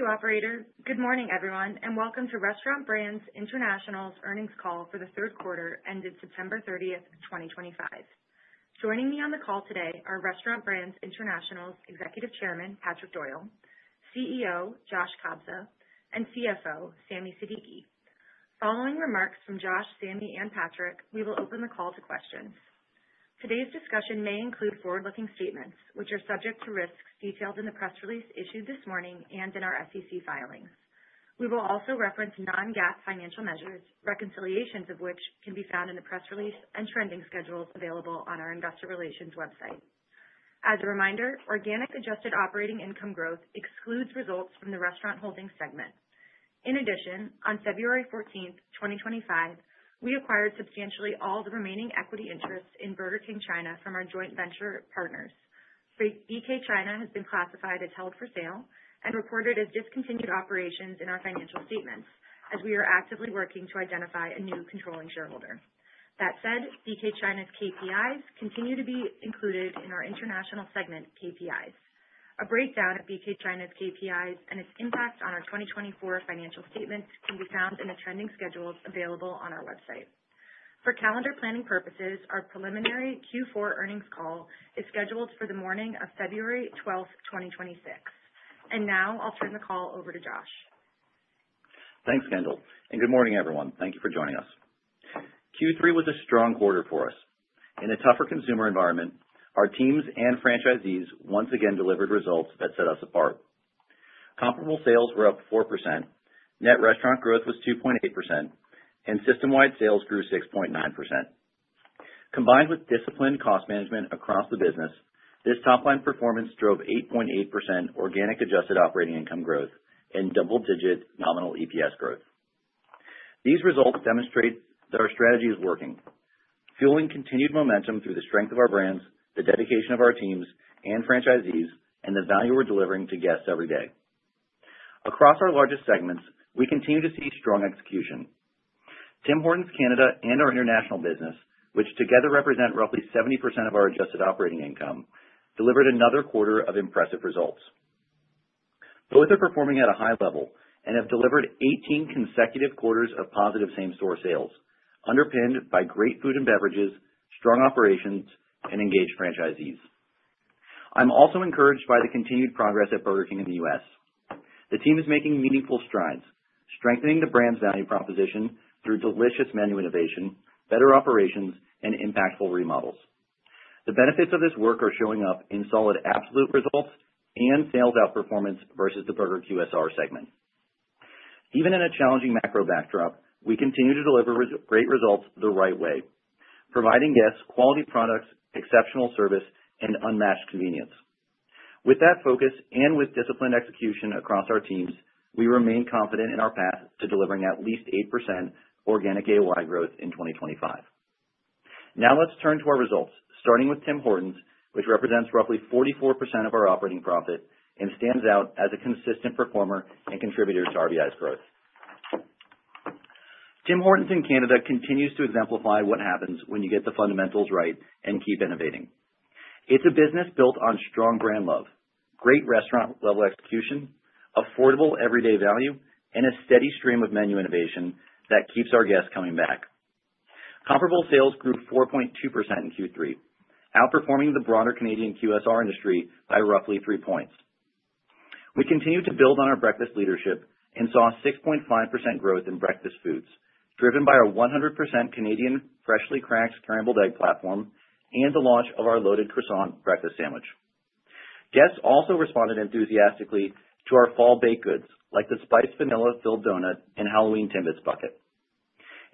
Thank you, operator. Good morning, everyone and welcome to Restaurant Brands International's Earnings Call for the Q3 ended September 30th 2025. Joining me on the call today are Restaurant Brands International's Executive Chairman, Patrick Doyle, CEO, Josh Kobza, and CFO, Sami Siddiqui. Following remarks from Josh, Sami, and Patrick, we will open the call to questions. Today's discussion may include forward-looking statements which are subject to risks detailed in the press release issued this morning and in our SEC filings. We will also reference non-GAAP financial measures reconciliations of which can be found in the press release and trending schedules available on our investor relations website. As a reminder, organic adjusted operating income growth excludes results from the Restaurant Holdings segment. In addition, on February 14th 2025, we acquired substantially all the remaining equity interests in Burger King China from our joint venture partners. BK China has been classified as held for sale and reported as discontinued operations in our financial statements as we are actively working to identify a new controlling shareholder. That said, BK China's KPIs continue to be included in our international segment KPIs. A breakdown of BK China's KPIs and its impact on our 2024 financial statements can be found in the trending schedules available on our website. For calendar planning purposes, our preliminary Q4 earnings call is scheduled for the morning of February 12th 2026 and now I'll turn the call over to Josh. Thanks, Kendall and good morning, everyone. Thank you for joining us. Q3 was a strong quarter for us. In a tougher consumer environment, our teams and franchisees once again delivered results that set us apart. Comparable sales were up 4%, net restaurant growth was 2.8%, and system-wide sales grew 6.9%. Combined with disciplined cost management across the business this top-line performance drove 8.8% organic adjusted operating income growth and double-digit nominal EPS growth. These results demonstrate that our strategy is working, fueling continued momentum through the strength of our brands, the dedication of our teams and franchisees, and the value we're delivering to guests every day. Across our largest segments, we continue to see strong execution. Tim Hortons Canada and our international business which together represent roughly 70% of our adjusted operating income delivered another quarter of impressive results. Both are performing at a high level and have delivered 18 consecutive quarters of positive same-store sales, underpinned by great food and beverages, strong operations, and engaged franchisees. I'm also encouraged by the continued progress at Burger King in the U.S. The team is making meaningful strides, strengthening the brand's value proposition through delicious menu innovation, better operations, and impactful remodels. The benefits of this work are showing up in solid absolute results and sales outperformance versus the burger QSR segment. Even in a challenging macro backdrop, we continue to deliver great results the right way providing guests quality products, exceptional service, and unmatched convenience. With that focus and with disciplined execution across our teams, we remain confident in our path to delivering at least 8% organic AOI growth in 2025. Now let's turn to our results, starting with Tim Hortons, which represents roughly 44% of our operating profit and stands out as a consistent performer and contributor to RBI's growth. Tim Hortons in Canada continues to exemplify what happens when you get the fundamentals right and keep innovating. It's a business built on strong brand love, great restaurant-level execution, affordable everyday value, and a steady stream of menu innovation that keeps our guests coming back. Comparable sales grew 4.2% in Q3, outperforming the broader Canadian QSR industry by roughly 3 points. We continue to build on our breakfast leadership and saw 6.5% growth in breakfast foods driven by our 100% Canadian freshly cracked scrambled egg platform and the launch of our loaded croissant breakfast sandwich. Guests also responded enthusiastically to our fall baked goods like the Spiced Vanilla-Filled Donut, and Halloween Timbits Bucket.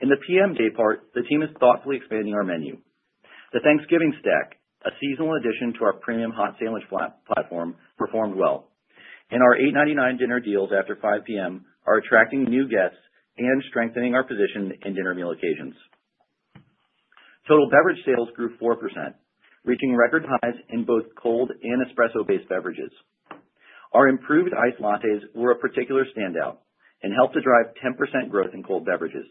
In the PM day part, the team is thoughtfully expanding our menu. The Thanksgiving Stack, a seasonal addition to our premium hot sandwich platform performed well and our $8.99 dinner deals after 5 PM are attracting new guests and strengthening our position in dinner meal occasions. Total beverage sales grew 4% reaching record highs in both cold and espresso-based beverages. Our improved iced lattes were a particular standout and helped to drive 10% growth in cold beverages.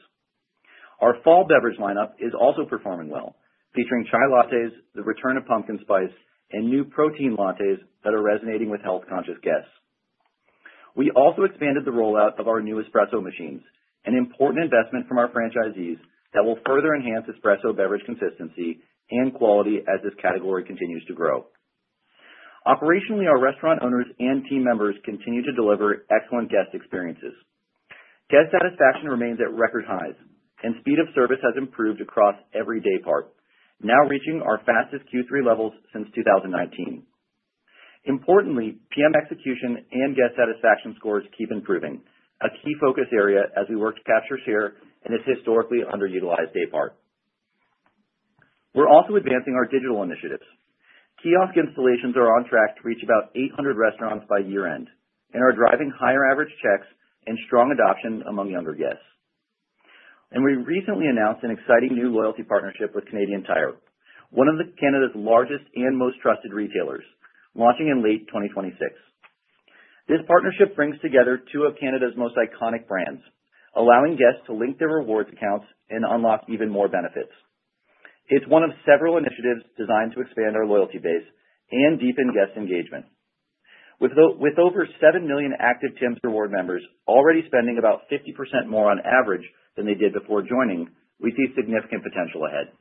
Our fall beverage lineup is also performing well, featuring chai lattes, the return of pumpkin spice, and new Protein Lattes that are resonating with health-conscious guests. We also expanded the rollout of our new espresso machines, an important investment from our franchisees that will further enhance espresso beverage consistency and quality as this category continues to grow. Operationally, our restaurant owners and team members continue to deliver excellent guest experiences. Guest satisfaction remains at record highs and speed of service has improved across every day part now reaching our fastest Q3 levels since 2019. Importantly, PM execution and guest satisfaction scores keep improving, a key focus area as we work to capture share in this historically underutilized day part. We're also advancing our digital initiatives. Kiosk installations are on track to reach about 800 restaurants by year-end and are driving higher average checks and strong adoption among younger guests. And we recently announced an exciting new loyalty partnership with Canadian Tire, one of Canada's largest and most trusted retailers launching in late 2026. This partnership brings together 2 of Canada's most iconic brands, allowing guests to link their rewards accounts and unlock even more benefits. It's one of several initiatives designed to expand our loyalty base and deepen guest engagement. With over 7 million active Tims Rewards members already spending about 50% more on average than they did before joining, we see significant potential ahead.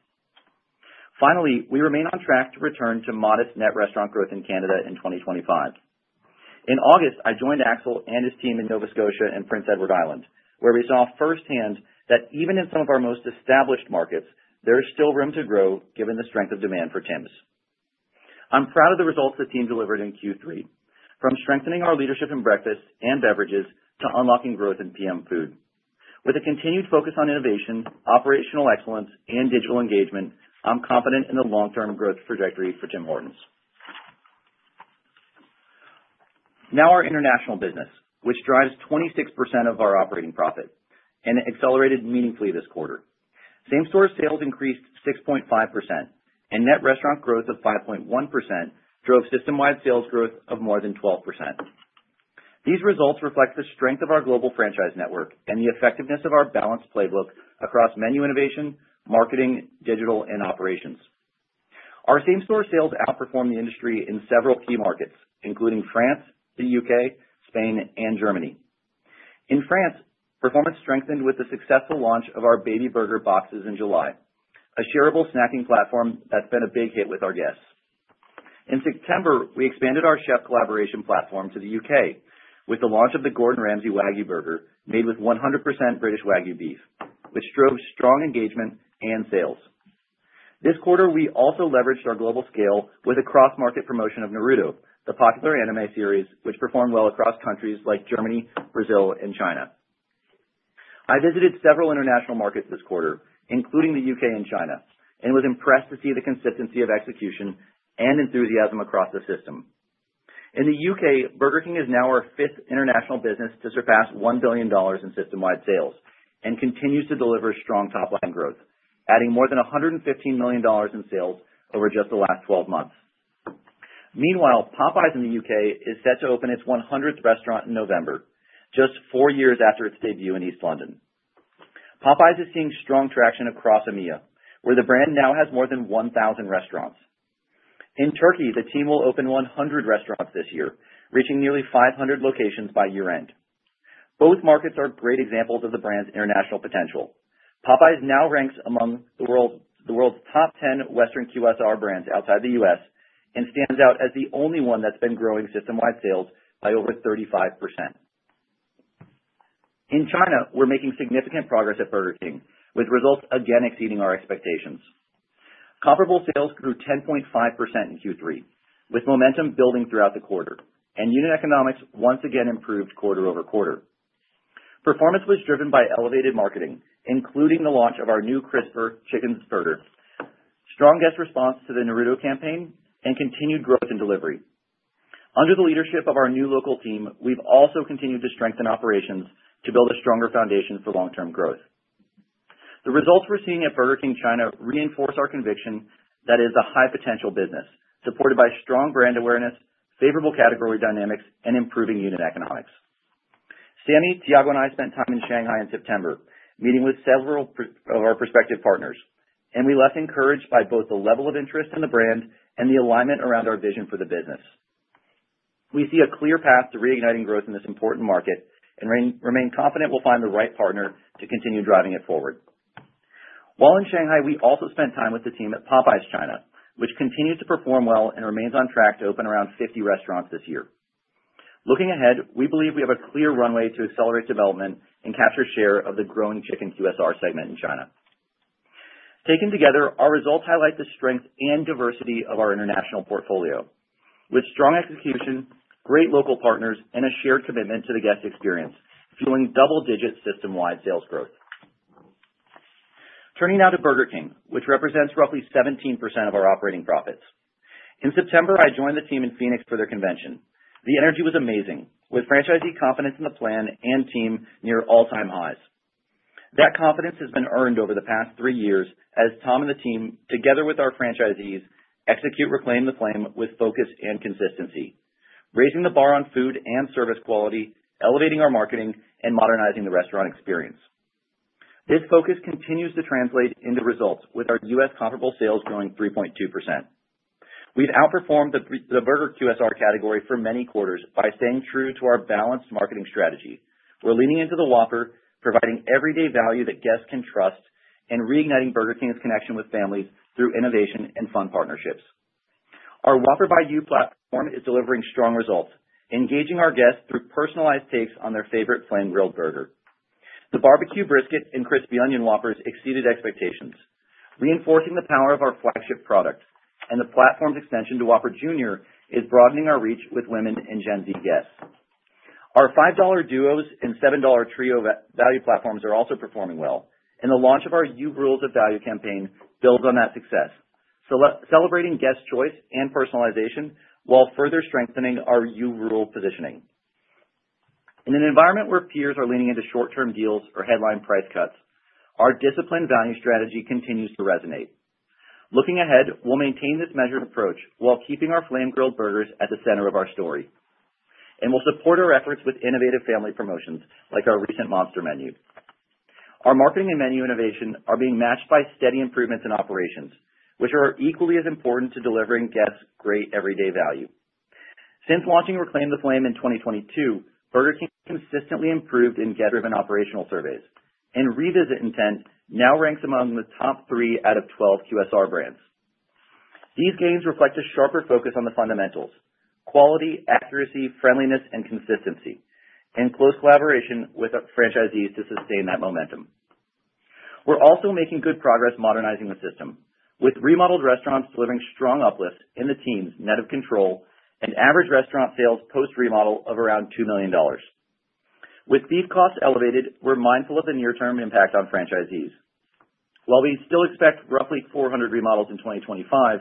Finally, we remain on track to return to modest net restaurant growth in Canada in 2025. In August, I joined Axel and his team in Nova Scotia and Prince Edward Island where we saw firsthand that even in some of our most established markets, there is still room to grow given the strength of demand for Tims. I'm proud of the results the team delivered in Q3, from strengthening our leadership in breakfast and beverages to unlocking growth in PM food. With a continued focus on innovation, operational excellence, and digital engagement, I'm confident in the long-term growth trajectory for Tim Hortons. Now our international business which drives 26% of our operating profit and accelerated meaningfully this quarter. Same-store sales increased 6.5% and net restaurant growth of 5.1% drove system-wide sales growth of more than 12%. These results reflect the strength of our global franchise network and the effectiveness of our balanced playbook across menu innovation, marketing, digital, and operations. Our same-store sales outperformed the industry in several key markets including France, the U.K., Spain, and Germany. In France, performance strengthened with the successful launch of our Baby Burger Boxes in July, a shareable snacking platform that's been a big hit with our guests. In September, we expanded our chef collaboration platform to the U.K. with the launch of the Gourmet Kings Wagyu Burger made with 100% British Wagyu beef which drove strong engagement and sales. This quarter, we also leveraged our global scale with a cross-market promotion of Naruto, the popular anime series, which performed well across countries like Germany, Brazil, and China. I visited several international markets this quarter, including the U.K. and China and was impressed to see the consistency of execution and enthusiasm across the system. In the U.K., Burger King is now our fifth international business to surpass $1 billion in system-wide sales and continues to deliver strong top-line growth adding more than $115 million in sales over just the last 12 months. Meanwhile, Popeyes in the U.K. is set to open its 100th restaurant in November just 4 years after its debut in East London. Popeyes is seeing strong traction across EMEA, where the brand now has more than 1,000 restaurants. In Turkey, the team will open 100 restaurants this year, reaching nearly 500 locations by year-end. Both markets are great examples of the brand's international potential. Popeyes now ranks among the world's top 10 Western QSR brands outside the U.S and stands out as the only one that's been growing system-wide sales by over 35%. In China, we're making significant progress at Burger King, with results again exceeding our expectations. Comparable sales grew 10.5% in Q3 with momentum building throughout the quarter and unit economics once again improved quarter-over-quarter. Performance was driven by elevated marketing including the launch of our new Crispy Chicken Burger, strong guest response to the Naruto campaign and continued growth and delivery. Under the leadership of our new local team, we've also continued to strengthen operations to build a stronger foundation for long-term growth. The results we're seeing at Burger King China reinforce our conviction that it is a high-potential business, supported by strong brand awareness, favorable category dynamics, and improving unit economics. Sami, Thiago, and I spent time in Shanghai in September, meeting with several of our prospective partners and we left encouraged by both the level of interest in the brand and the alignment around our vision for the business. We see a clear path to reigniting growth in this important market and remain confident we'll find the right partner to continue driving it forward. While in Shanghai, we also spent time with the team at Popeyes China, which continues to perform well and remains on track to open around 50 restaurants this year. Looking ahead, we believe we have a clear runway to accelerate development and capture share of the growing chicken QSR segment in China. Taken together, our results highlight the strength and diversity of our international portfolio with strong execution, great local partners, and a shared commitment to the guest experience, fueling double-digit system-wide sales growth. Turning now to Burger King which represents roughly 17% of our operating profits. In September, I joined the team in Phoenix for their convention. The energy was amazing, with franchisee confidence in the plan and team near all-time highs. That confidence has been earned over the past 3 years as Tom and the team, together with our franchisees, execute Reclaim the Flame with focus and consistency, raising the bar on food and service quality, elevating our marketing, and modernizing the restaurant experience. This focus continues to translate into results with our U.S. comparable sales growing 3.2%. We've outperformed the burger QSR category for many quarters by staying true to our balanced marketing strategy. We're leaning into the Whopper, providing everyday value that guests can trust and reigniting Burger King's connection with families through innovation and fun partnerships. Our Whopper By You platform is delivering strong results, engaging our guests through personalized takes on their favorite flame-grilled burger. The Barbecue Brisket and Crispy Onion Whoppers exceeded expectations, reinforcing the power of our flagship product, and the platform's extension to Whopper Jr. is broadening our reach with women and Gen Z guests. Our $5 Duos and $7 Trio value platforms are also performing well and the launch of our New Rules of Value campaign builds on that success, celebrating guest choice and personalization while further strengthening our You Rule positioning. In an environment where peers are leaning into short-term deals or headline price cuts, our disciplined value strategy continues to resonate. Looking ahead, we'll maintain this measured approach while keeping our flame-grilled burgers at the center of our story and we'll support our efforts with innovative family promotions like our recent Monster Menu. Our marketing and menu innovation are being matched by steady improvements in operations which are equally as important to delivering guests great everyday value. Since launching Reclaim the Flame in 2022, Burger King consistently improved in guest-driven operational surveys and Revisit Intent now ranks among the top 3 out of 12 QSR brands. These gains reflect a sharper focus on the fundamentals. Quality, accuracy, friendliness, and consistency, and close collaboration with our franchisees to sustain that momentum. We're also making good progress modernizing the system, with remodeled restaurants delivering strong uplifts in the team's net of control and average restaurant sales post-remodel of around $2 million. With beef costs elevated, we're mindful of the near-term impact on franchisees. While we still expect roughly 400 remodels in 2025,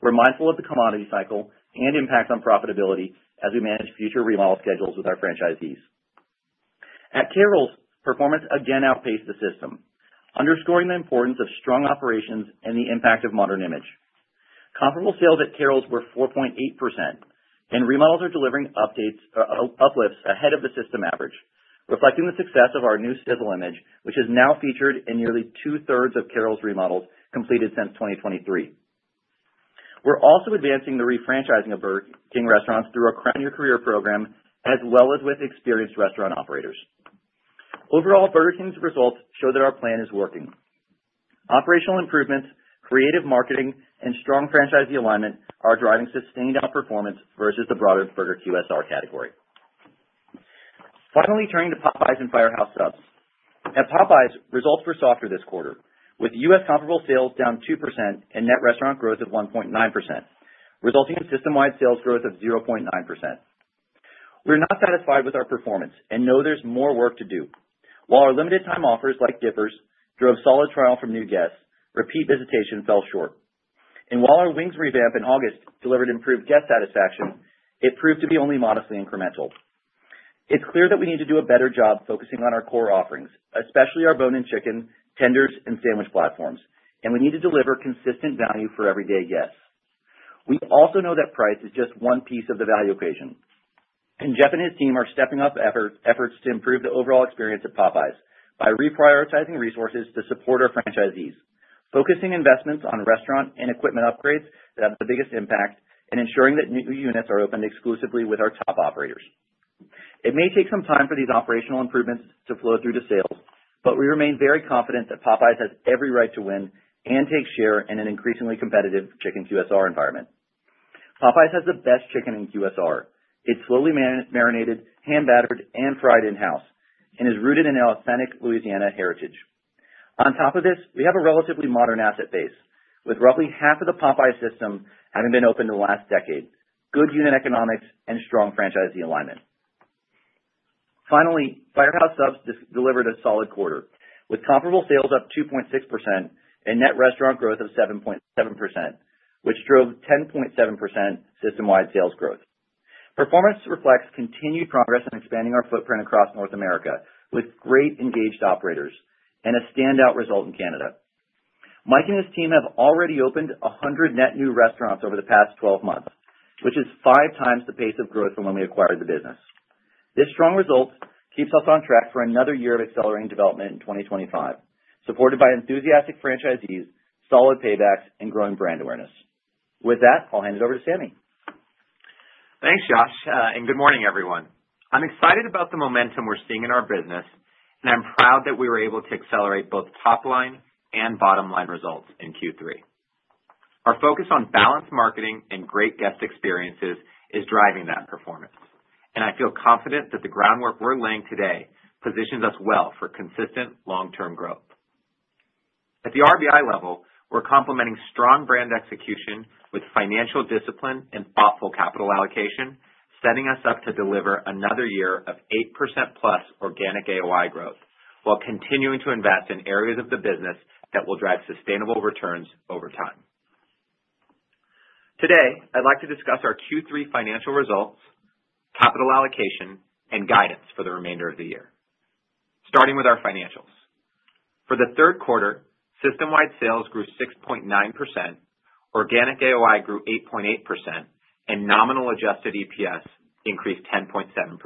we're mindful of the commodity cycle and impact on profitability as we manage future remodel schedules with our franchisees. At Carrols, performance again outpaced the system, underscoring the importance of strong operations and the impact of modern image. Comparable sales at Carrols were 4.8% and remodels are delivering uplifts ahead of the system average reflecting the success of our new Sizzle image which is now featured in nearly 2/3 of Carrols remodels completed since 2023. We're also advancing the refranchising of Burger King restaurants through a Crown Your Career program, as well as with experienced restaurant operators. Overall, Burger King's results show that our plan is working. Operational improvements, creative marketing, and strong franchisee alignment are driving sustained outperformance versus the broader burger QSR category. Finally, turning to Popeyes and Firehouse Subs. At Popeyes, results were softer this quarter, with U.S. comparable sales down 2% and net restaurant growth of 1.9%, resulting in system-wide sales growth of 0.9%. We're not satisfied with our performance and know there's more work to do. While our limited-time offers, like Dippers, drove solid trial from new guests, repeat visitation fell short. And while our wings revamp in August delivered improved guest satisfaction, it proved to be only modestly incremental. It's clear that we need to do a better job focusing on our core offerings especially our bone-in chicken, tenders, and sandwich platforms, and we need to deliver consistent value for everyday guests. We also know that price is just one piece of the value equation. And Jeff and his team are stepping up efforts to improve the overall experience at Popeyes by reprioritizing resources to support our franchisees, focusing investments on restaurant and equipment upgrades that have the biggest impact, and ensuring that new units are opened exclusively with our top operators. It may take some time for these operational improvements to flow through to sales but we remain very confident that Popeyes has every right to win and take share in an increasingly competitive chicken QSR environment. Popeyes has the best chicken in QSR. It's slowly marinated, hand-battered, and fried in-house, and is rooted in authentic Louisiana heritage. On top of this, we have a relatively modern asset base, with roughly half of the Popeyes system having been opened in the last decade, good unit economics, and strong franchisee alignment. Finally, Firehouse Subs delivered a solid quarter, with comparable sales up 2.6% and net restaurant growth of 7.7%, which drove 10.7% system-wide sales growth. Performance reflects continued progress in expanding our footprint across North America with great engaged operators and a standout result in Canada. Mike and his team have already opened 100 net new restaurants over the past 12 months, which is 5 times the pace of growth from when we acquired the business. This strong result keeps us on track for another year of accelerating development in 2025 supported by enthusiastic franchisees, solid paybacks, and growing brand awareness. With that, I'll hand it over to Sami. Thanks, Josh and good morning, everyone. I'm excited about the momentum we're seeing in our business, and I'm proud that we were able to accelerate both top-line and bottom-line results in Q3. Our focus on balanced marketing and great guest experiences is driving that performance and I feel confident that the groundwork we're laying today positions us well for consistent long-term growth. At the RBI level, we're complementing strong brand execution with financial discipline and thoughtful capital allocation setting us up to deliver another year of 8% plus organic AOI growth while continuing to invest in areas of the business that will drive sustainable returns over time. Today, I'd like to discuss our Q3 financial results, capital allocation, and guidance for the remainder of the year, starting with our financials. For the Q3, system-wide sales grew 6.9%, organic AOI grew 8.8%, and nominal adjusted EPS increased 10.7%.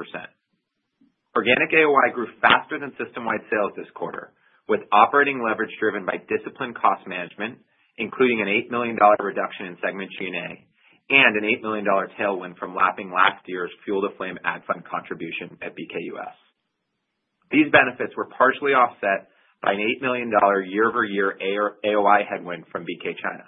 Organic AOI grew faster than system-wide sales this quarter with operating leverage driven by disciplined cost management including an $8 million reduction in segment G&A and an $8 million tailwind from lapping last year's Fuel the Flame Ad Fund contribution at BKUS. These benefits were partially offset by an $8 million year-over-year AOI headwind from BK China.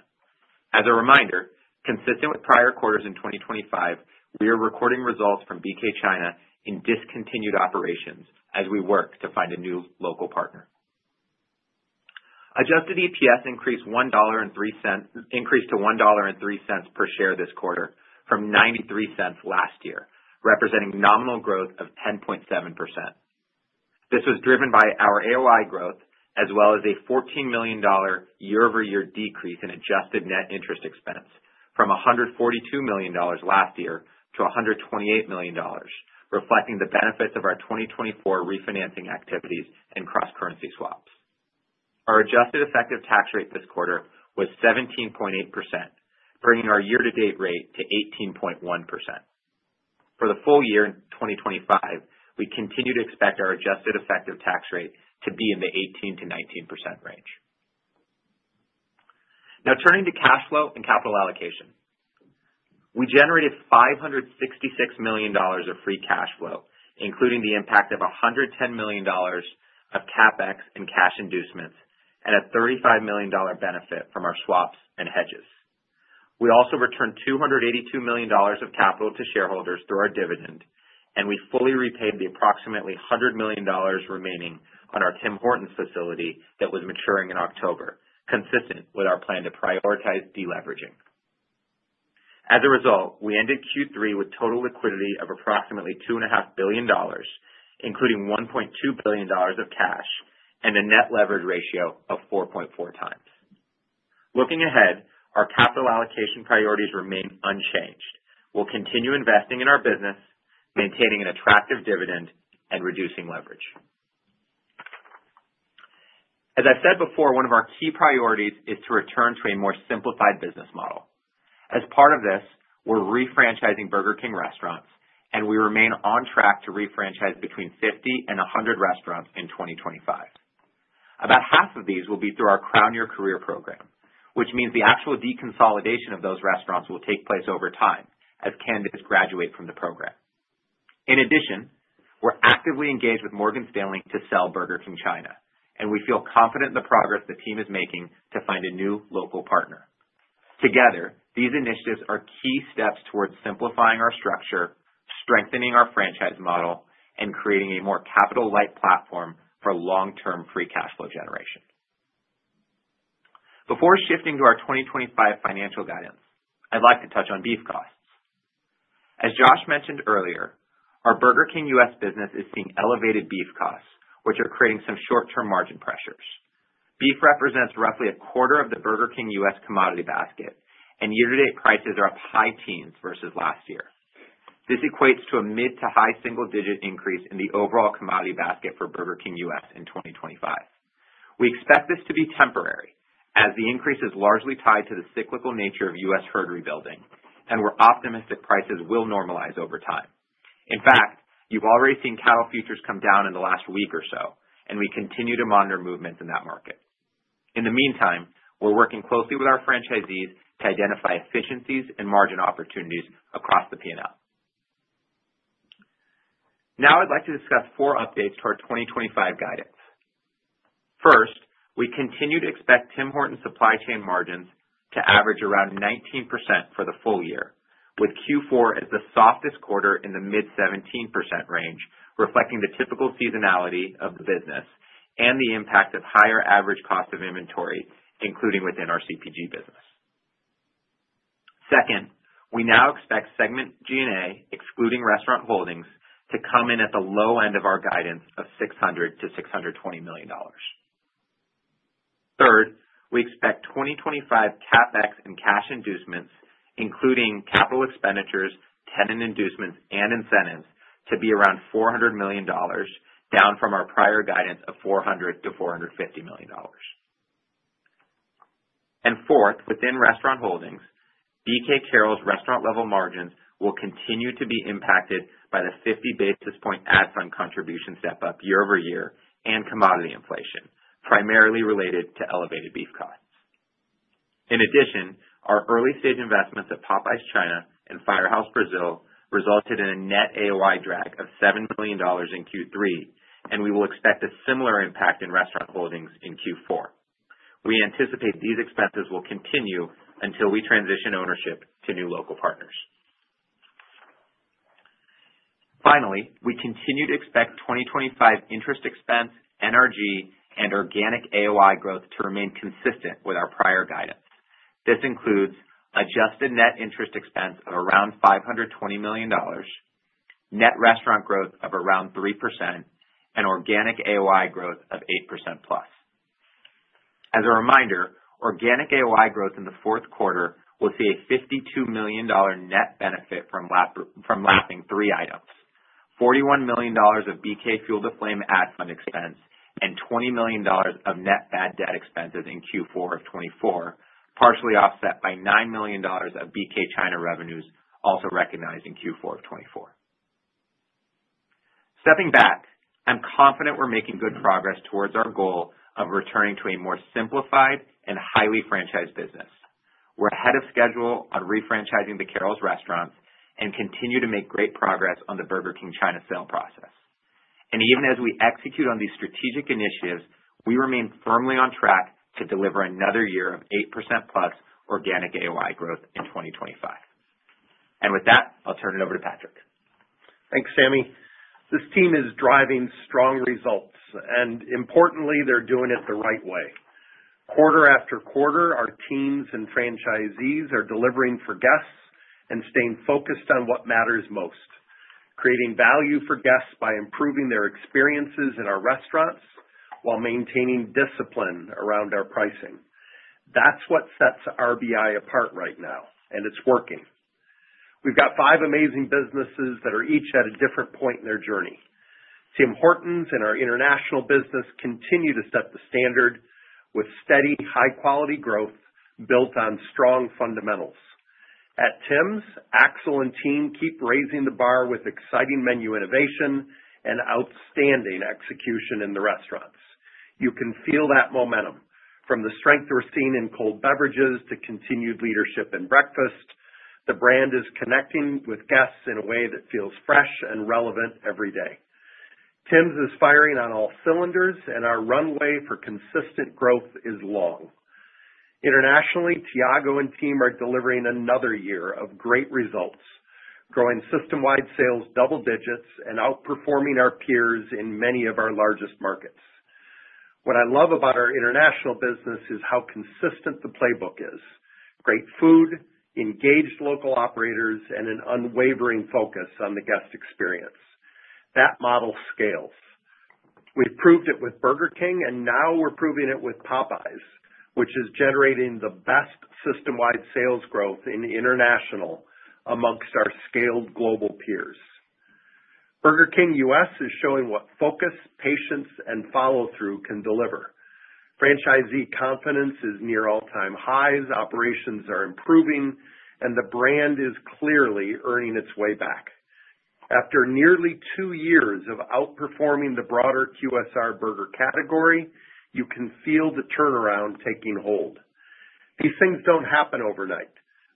As a reminder, consistent with prior quarters in 2025, we are recording results from BK China in discontinued operations as we work to find a new local partner. Adjusted EPS increased to $1.03 per share this quarter from $0.93 last year representing nominal growth of 10.7%. This was driven by our AOI growth, as well as a $14 million year-over-year decrease in adjusted net interest expense from $142 million last year to $128 million reflecting the benefits of our 2024 refinancing activities and cross-currency swaps. Our adjusted effective tax rate this quarter was 17.8%, bringing our year-to-date rate to 18.1%. For the full year in 2025, we continue to expect our adjusted effective tax rate to be in the 18%-19% range. Now, turning to cash flow and capital allocation, we generated $566 million of free cash flow including the impact of $110 million of CapEx and cash inducements and a $35 million benefit from our swaps and hedges. We also returned $282 million of capital to shareholders through our dividend and we fully repaid the approximately $100 million remaining on our Tim Hortons facility that was maturing in October, consistent with our plan to prioritize deleveraging. As a result, we ended Q3 with total liquidity of approximately $2.5 billion including $1.2 billion of cash and a net leverage ratio of 4.4 times. Looking ahead, our capital allocation priorities remain unchanged. We'll continue investing in our business, maintaining an attractive dividend, and reducing leverage. As I've said before, one of our key priorities is to return to a more simplified business model. As part of this, we're refranchising Burger King restaurants and we remain on track to refranchise between 50 and 100 restaurants in 2025. About half of these will be through our Crown Your Career program which means the actual deconsolidation of those restaurants will take place over time as candidates graduate from the program. In addition, we're actively engaged with Morgan Stanley to sell Burger King China and we feel confident in the progress the team is making to find a new local partner. Together, these initiatives are key steps towards simplifying our structure, strengthening our franchise model, and creating a more capital-light platform for long-term free cash flow generation. Before shifting to our 2025 financial guidance, I'd like to touch on beef costs. As Josh mentioned earlier, our Burger King U.S. business is seeing elevated beef costs which are creating some short-term margin pressures. Beef represents roughly a quarter of the Burger King U.S. commodity basket, and year-to-date prices are up high teens versus last year. This equates to a mid to high single-digit increase in the overall commodity basket for Burger King U.S. in 2025. We expect this to be temporary, as the increase is largely tied to the cyclical nature of U.S. herd rebuilding, and we're optimistic prices will normalize over time. In fact, you've already seen cattle futures come down in the last week or so, and we continue to monitor movements in that market. In the meantime, we're working closely with our franchisees to identify efficiencies and margin opportunities across the P&L. Now, I'd like to discuss 4 updates to our 2025 guidance. First, we continue to expect Tim Hortons supply chain margins to average around 19% for the full year with Q4 as the softest quarter in the mid-17% range reflecting the typical seasonality of the business and the impact of higher average cost of inventory including within our CPG business. Second, we now expect segment G&A, excluding restaurant holdings, to come in at the low end of our guidance of $600 to 620 million. Third, we expect 2025 CapEx and cash inducements including capital expenditures, tenant inducements, and incentives, to be around $400 million down from our prior guidance of $400 to 450 million. And fourth, within restaurant holdings, BK Carrols restaurant-level margins will continue to be impacted by the 50 basis point Ad Fund contribution step-up year-over-year and commodity inflation, primarily related to elevated beef costs. In addition, our early-stage investments at Popeyes China and Firehouse Brazil resulted in a net AOI drag of $7 million in Q3 and we will expect a similar impact in restaurant holdings in Q4. We anticipate these expenses will continue until we transition ownership to new local partners. Finally, we continue to expect 2025 interest expense, NRG, and organic AOI growth to remain consistent with our prior guidance. This includes adjusted net interest expense of around $520 million, net restaurant growth of around 3%, and organic AOI growth of 8% plus. As a reminder, organic AOI growth in the Q4 will see a $52 million net benefit from lapping 3 items. $41 million of BK Fuel the Flame Ad Fund expense and $20 million of net bad debt expenses in Q4 of 24, partially offset by $9 million of BK China revenues also recognized in Q4 of 24. Stepping back, I'm confident we're making good progress towards our goal of returning to a more simplified and highly franchised business. We're ahead of schedule on refranchising the Carrols restaurants and continue to make great progress on the Burger King China sale process. Even as we execute on these strategic initiatives, we remain firmly on track to deliver another year of 8% plus organic AOI growth in 2025. With that, I'll turn it over to Patrick. Thanks, Sami. This team is driving strong results and importantly, they're doing it the right way. Quarter-after-quarter, our teams and franchisees are delivering for guests and staying focused on what matters most, creating value for guests by improving their experiences in our restaurants while maintaining discipline around our pricing. That's what sets RBI apart right now and it's working. We've got 5 amazing businesses that are each at a different point in their journey. Tim Hortons and our international business continue to set the standard with steady high-quality growth built on strong fundamentals. At Tims, Axel and team keep raising the bar with exciting menu innovation and outstanding execution in the restaurants. You can feel that momentum from the strength we're seeing in cold beverages to continued leadership in breakfast, the brand is connecting with guests in a way that feels fresh and relevant every day. Tims is firing on all cylinders, and our runway for consistent growth is long. Internationally, Thiago and team are delivering another year of great results, growing system-wide sales double digits and outperforming our peers in many of our largest markets. What I love about our international business is how consistent the playbook is: great food, engaged local operators, and an unwavering focus on the guest experience. That model scales. We've proved it with Burger King and now we're proving it with Popeyes which is generating the best system-wide sales growth in international amongst our scaled global peers. Burger King U.S. is showing what focus, patience, and follow-through can deliver. Franchisee confidence is near all-time highs, operations are improving, and the brand is clearly earning its way back. After nearly 2 years of outperforming the broader QSR burger category, you can feel the turnaround taking hold. These things don't happen overnight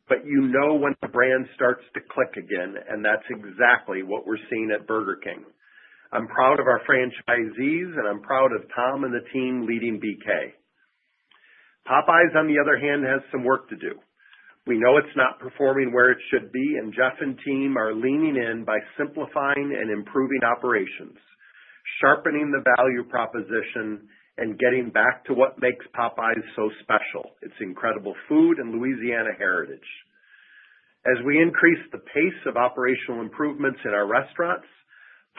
but you know when the brand starts to click again and that's exactly what we're seeing at Burger King. I'm proud of our franchisees and I'm proud of Tom and the team leading BK. Popeyes, on the other hand, has some work to do. We know it's not performing where it should be and Jeff and team are leaning in by simplifying and improving operations, sharpening the value proposition, and getting back to what makes Popeyes so special, its incredible food and Louisiana heritage. As we increase the pace of operational improvements in our restaurants,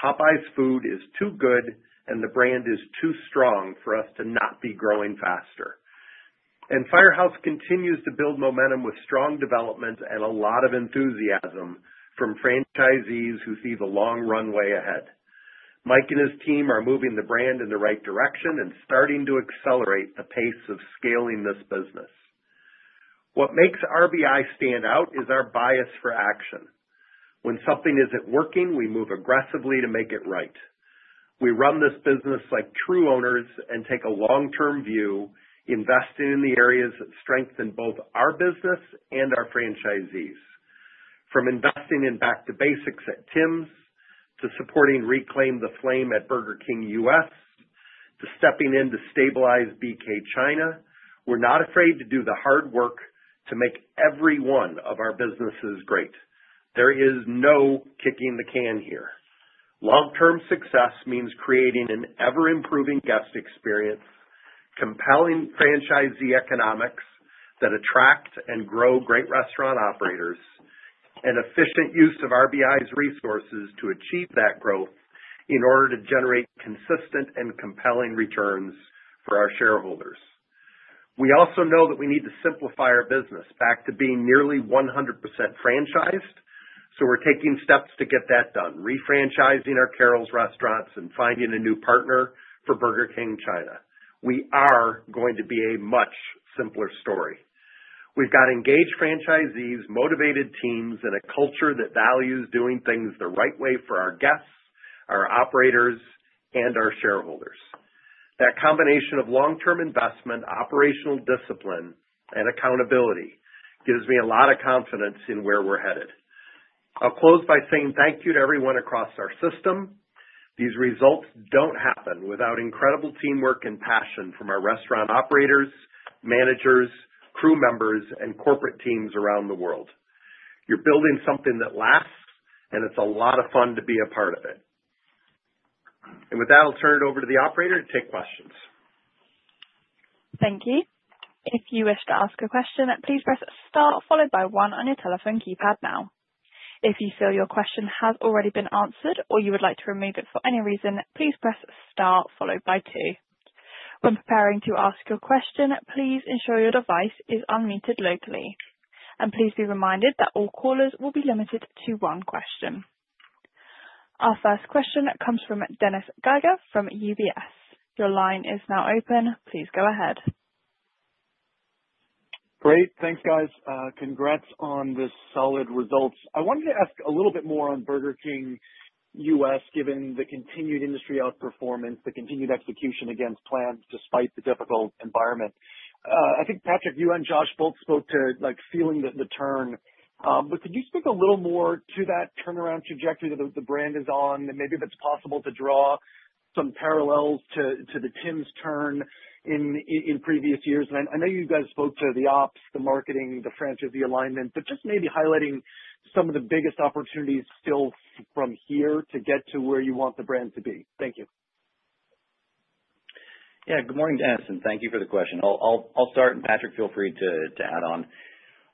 Popeyes food is too good and the brand is too strong for us to not be growing faster. And Firehouse continues to build momentum with strong development and a lot of enthusiasm from franchisees who see the long runway ahead. Mike and his team are moving the brand in the right direction and starting to accelerate the pace of scaling this business. What makes RBI stand out is our bias for action. When something isn't working, we move aggressively to make it right. We run this business like true owners and take a long-term view, investing in the areas that strengthen both our business and our franchisees. From investing in back-to-basics at Tims to supporting Reclaim the Flame at Burger King U.S. to stepping in to stabilize BK China, we're not afraid to do the hard work to make every one of our businesses great. There is no kicking the can here. Long-term success means creating an ever-improving guest experience, compelling franchisee economics that attract and grow great restaurant operators, and efficient use of RBI's resources to achieve that growth in order to generate consistent and compelling returns for our shareholders. We also know that we need to simplify our business back to being nearly 100% franchised so we're taking steps to get that done: refranchising our Carrols restaurants and finding a new partner for Burger King China, we are going to be a much simpler story. We've got engaged franchisees, motivated teams, and a culture that values doing things the right way for our guests, our operators, and our shareholders. That combination of long-term investment, operational discipline, and accountability gives me a lot of confidence in where we're headed. I'll close by saying thank you to everyone across our system. These results don't happen without incredible teamwork and passion from our restaurant operators, managers, crew members, and corporate teams around the world. You're building something that lasts and it's a lot of fun to be a part of it. And with that, I'll turn it over to the operator to take questions. Thank you. If you wish to ask a question, please press star followed by one on your telephone keypad now. If you feel your question has already been answered or you would like to remove it for any reason, please press star followed by two. When preparing to ask your question, please ensure your device is unmuted locally. Please be reminded that all callers will be limited to one question. Our first question comes from Dennis Geiger from UBS. Your line is now open, please go ahead. Great. Thanks, guys. Congrats on the solid results. I wanted to ask a little bit more on Burger King U.S., given the continued industry outperformance the continued execution against plans despite the difficult environment. I think, Patrick, you and Josh both spoke to feeling the turn. But could you speak a little more to that turnaround trajectory that the brand is on and maybe if it's possible to draw some parallels to the Tims turn in previous years? And I know you guys spoke to the ops, the marketing, the franchisee alignment but just maybe highlighting some of the biggest opportunities still from here to get to where you want the brand to be. Thank you. Yeah. Good morning, Dennis and thank you for the question. I'll start, and Patrick, feel free to add on.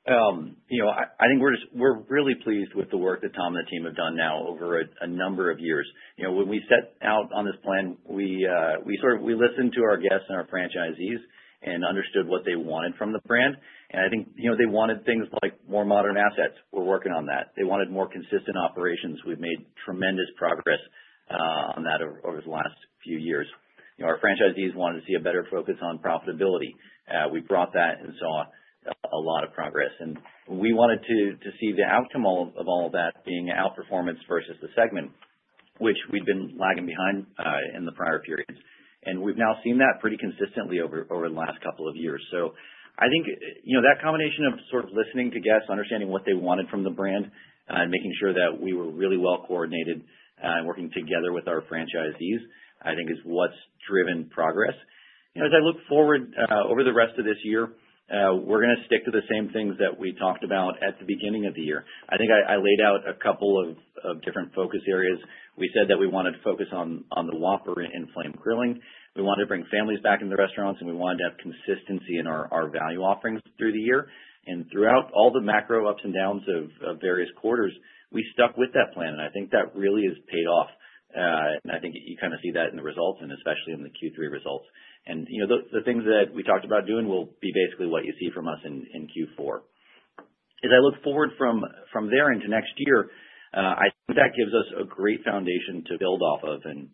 I think we're really pleased with the work that Tom and the team have done now over a number of years. When we set out on this plan, we sort of listened to our guests and our franchisees and understood what they wanted from the brand and I think they wanted things like more modern assets, we're working on that. They wanted more consistent operations, we've made tremendous progress on that over the last few years. Our franchisees wanted to see a better focus on profitability. We brought that and saw a lot of progress and we wanted to see the outcome of all of that being outperformance versus the segment which we'd been lagging behind in the prior periods. And we've now seen that pretty consistently over the last couple of years so I think that combination of sort of listening to guests, understanding what they wanted from the brand, and making sure that we were really well-coordinated and working together with our franchisees, I think is what's driven progress. As I look forward over the rest of this year, we're going to stick to the same things that we talked about at the beginning of the year. I think I laid out a couple of different focus areas. We said that we wanted to focus on the Whopper and flame grilling. We wanted to bring families back into the restaurants and we wanted to have consistency in our value offerings through the year and throughout all the macro ups and downs of various quarters, we stuck with that plan and I think that really has paid off. And I think you kind of see that in the results and especially in the Q3 results. And the things that we talked about doing will be basically what you see from us in Q4. As I look forward from there into next year, I think that gives us a great foundation to build off of and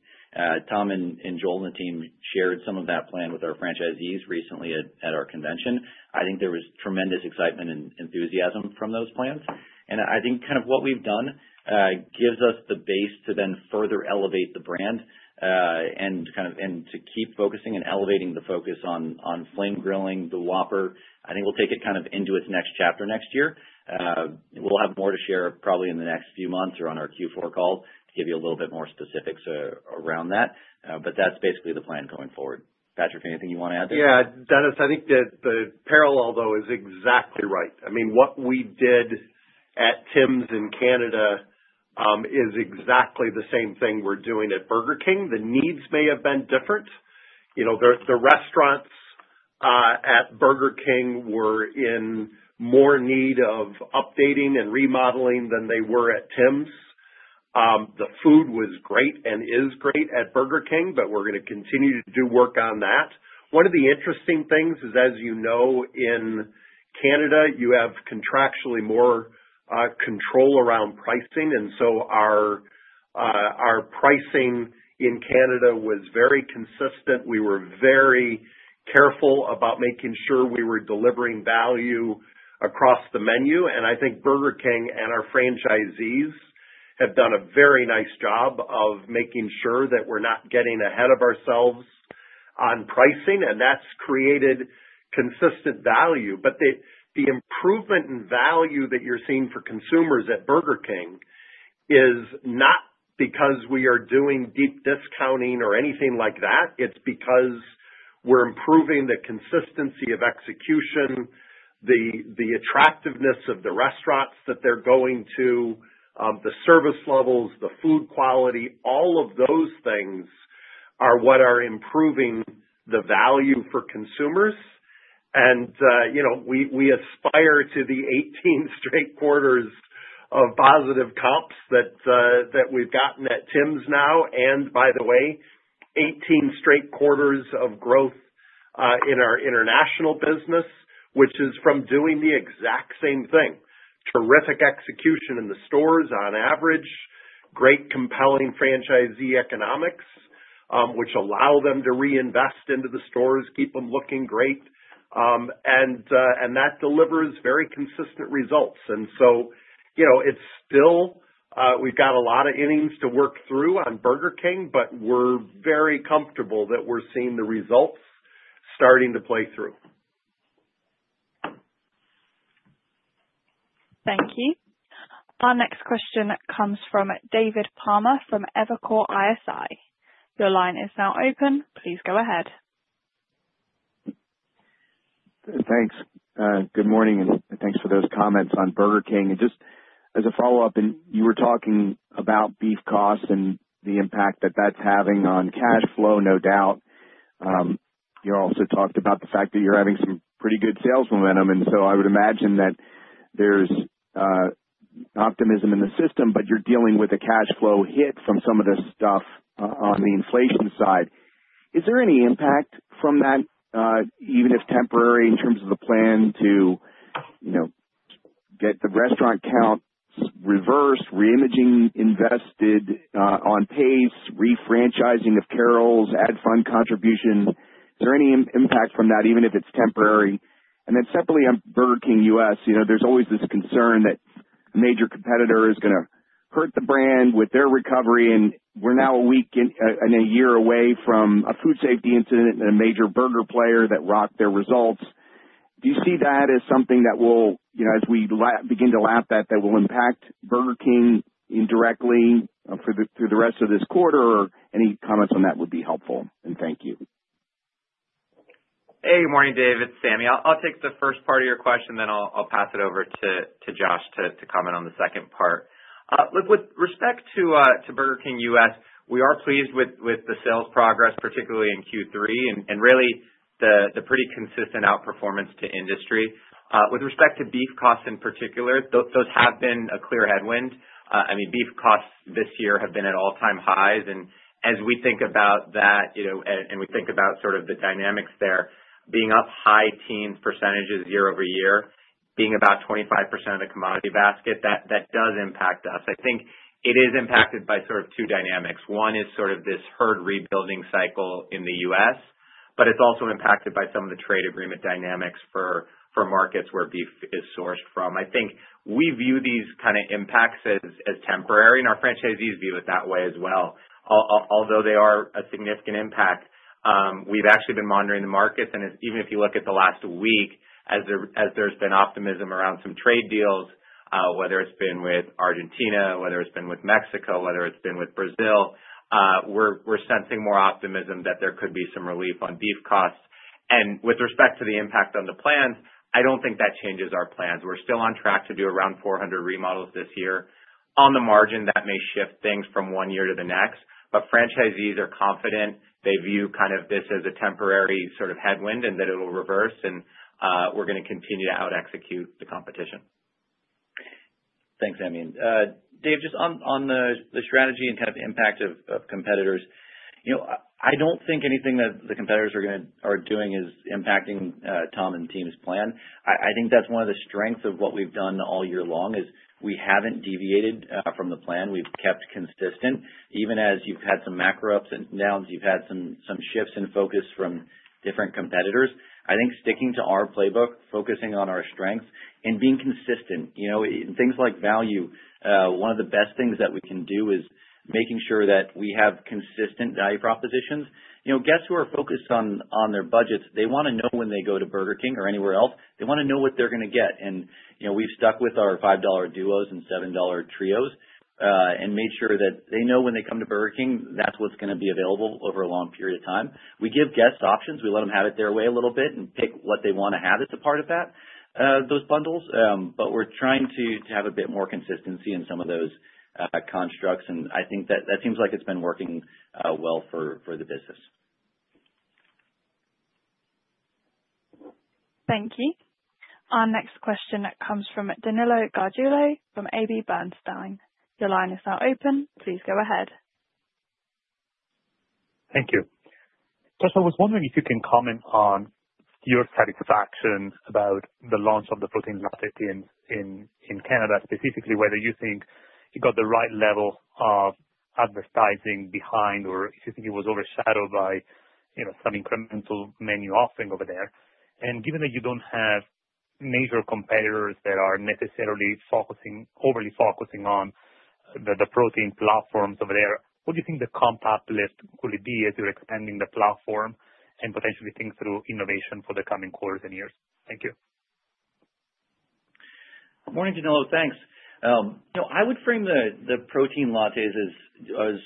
Tom and Joel and the team shared some of that plan with our franchisees recently at our convention. I think there was tremendous excitement and enthusiasm from those plans. And I think kind of what we've done gives us the base to then further elevate the brand and to keep focusing and elevating the focus on flame grilling, the Whopper. I think we'll take it kind of into its next chapter next year. We'll have more to share probably in the next few months or on our Q4 call to give you a little bit more specifics around that. But that's basically the plan going forward. Patrick, anything you want to add there? Yeah. Dennis, I think the parallel, though, is exactly right. I mean, what we did at Tims in Canada is exactly the same thing we're doing at Burger King, the needs may have been different. The restaurants at Burger King were in more need of updating and remodeling than they were at Tims. The food was great and is great at Burger King but we're going to continue to do work on that. One of the interesting things is, as you know, in Canada, you have contractually more control around pricing and so our pricing in Canada was very consistent. We were very careful about making sure we were delivering value across the menu and I think Burger King and our franchisees have done a very nice job of making sure that we're not getting ahead of ourselves on pricing and that's created consistent value but the improvement in value that you're seeing for consumers at Burger King is not because we are doing deep discounting or anything like that. It's because we're improving the consistency of execution, the attractiveness of the restaurants that they're going to, the service levels, the food quality all of those things are what are improving the value for consumers. We aspire to the 18 straight quarters of positive comps that we've gotten at Tims now and by the way, 18 straight quarters of growth in our international business which is from doing the exact same thing. Terrific execution in the stores on average, great compelling franchisee economics which allow them to reinvest into the stores, keep them looking great. That delivers very consistent results. It's still we've got a lot of innings to work through on Burger King, but we're very comfortable that we're seeing the results starting to play through. Thank you. Our next question comes from David Palmer from Evercore ISI. Your line is now open. Please go ahead. Thanks. Good morning and thanks for those comments on Burger King. Just as a follow-up, you were talking about beef costs and the impact that that's having on cash flow, no doubt. You also talked about the fact that you're having some pretty good sales momentum and so I would imagine that there's optimism in the system but you're dealing with a cash flow hit from some of this stuff on the inflation side. Is there any impact from that, even if temporary, in terms of the plan to get the restaurant counts reversed, reimaging, invested on pace, refranchising of Carrols, Ad Fund contribution? Is there any impact from that, even if it's temporary? Then separately on Burger King U.S., there's always this concern that a major competitor is going to hurt the brand with their recovery and we're now a week and a year away from a food safety incident and a major burger player that rocked their results. Do you see that as something that will, as we begin to lap that, that will impact Burger King indirectly through the rest of this quarter? Or any comments on that would be helpful and thank you. Hey. Good morning, David. It's Sami. I'll take the first part of your question then I'll pass it over to Josh to comment on the second part. Look, with respect to Burger King U.S., we are pleased with the sales progress particularly in Q3, and really the pretty consistent outperformance to industry. With respect to beef costs in particular, those have been a clear headwind. I mean, beef costs this year have been at all-time highs and as we think about that and we think about sort of the dynamics there being up high-teens % year-over-year being about 25% of the commodity basket that does impact us. I think it is impacted by sort of 2 dynamics. One is sort of this herd rebuilding cycle in the U.S. but it's also impacted by some of the trade agreement dynamics for markets where beef is sourced from. I think we view these kind of impacts as temporary and our franchisees view it that way as well. Although they are a significant impact, we've actually been monitoring the markets and even if you look at the last week, as there's been optimism around some trade deals, whether it's been with Argentina, whether it's been with Mexico, whether it's been with Brazil, we're sensing more optimism that there could be some relief on beef costs and with respect to the impact on the plans, I don't think that changes our plans. We're still on track to do around 400 remodels this year. On the margin, that may shift things from 1 year to the next. But franchisees are confident. They view kind of this as a temporary sort of headwind and that it'll reverse and we're going to continue to out-execute the competition. Thanks, Sami. Dave, just on the strategy and kind of impact of competitors, I don't think anything that the competitors are doing is impacting Tom and Tim's plan. I think that's one of the strengths of what we've done all year long, is we haven't deviated from the plan we've kept consistent. Even as you've had some macro ups and downs, you've had some shifts in focus from different competitors. I think sticking to our playbook, focusing on our strengths and being consistent in things like value, one of the best things that we can do is making sure that we have consistent value propositions. Guests who are focused on their budgets, they want to know when they go to Burger King or anywhere else. They want to know what they're going to get and we've stuck with our $5 Duos and $7 Trios and made sure that they know when they come to Burger King that's what's going to be available over a long period of time. We give guests options we let them have it their way a little bit and pick what they want to have as a part of those bundles but we're trying to have a bit more consistency in some of those constructs and I think that seems like it's been working well for the business. Thank you. Our next question comes from Danilo Gargiulo from AB Bernstein. Your line is now open, please go ahead. Thank you. Josh, I was wondering if you can comment on your satisfaction about the launch of the protein latte in Canada specifically whether you think you got the right level of advertising behind or if you think it was overshadowed by some incremental menu offering over there. Given that you don't have major competitors that are necessarily overly focusing on the protein platforms over there, what do you think the comp lift will be as you're expanding the platform and potentially think through innovation for the coming quarters and years? Thank you. Good morning, Danilo. Thanks. I would frame the protein lattes as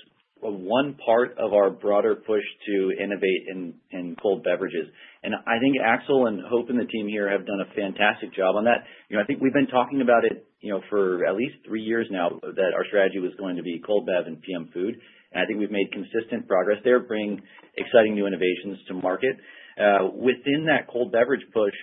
one part of our broader push to innovate in cold beverages. I think Axel and Hope and the team here have done a fantastic job on that. I think we've been talking about it for at least 3 years now that our strategy was going to be cold bev and PM food. I think we've made consistent progress there, bringing exciting new innovations to market. Within that cold beverage push,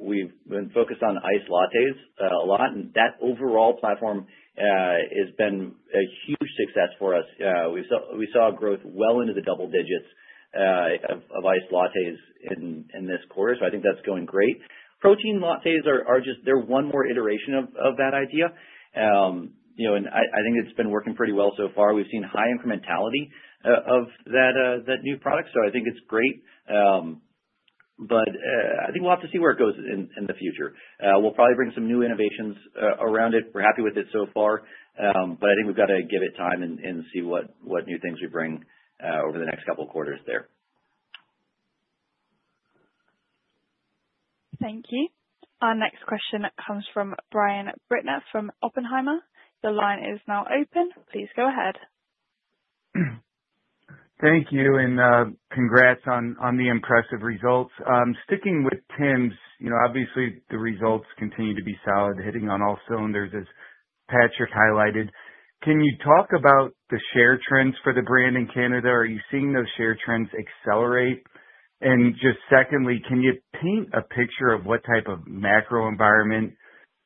we've been focused on iced lattes a lot and that overall platform has been a huge success for us. We saw growth well into the double digits of iced lattes in this quarter so I think that's going great. Protein lattes are just one more iteration of that idea and I think it's been working pretty well so far we've seen high incrementality of that new product so I think it's great but I think we'll have to see where it goes in the future. We'll probably bring some new innovations around it. We're happy with it so far, but I think we've got to give it time and see what new things we bring over the next couple of quarters there. Thank you. Our next question comes from Brian Bittner from Oppenheimer. Your line is now open, please go ahead. Thank you and congrats on the impressive results. Sticking with Tim's, obviously, the results continue to be solid, hitting on all cylinders, as Patrick highlighted. Can you talk about the share trends for the brand in Canada? Are you seeing those share trends accelerate? And just secondly, can you paint a picture of what type of macro environment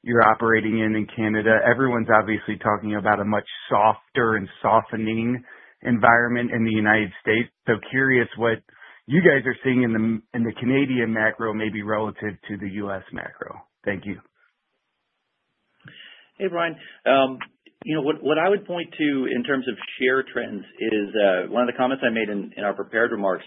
you're operating in in Canada? Everyone's obviously talking about a much softer and softening environment in the United States. So curious what you guys are seeing in the Canadian macro, maybe relative to the U.S. macro. Thank you. Hey, Brian. What I would point to in terms of share trends is one of the comments I made in our prepared remarks.